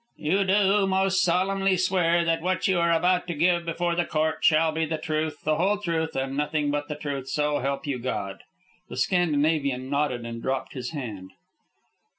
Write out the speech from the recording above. "You do most solemnly swear that what you are about to give before the court shall be the truth, the whole truth, and nothing but the truth, so help you God?" The Scandinavian nodded and dropped his hand.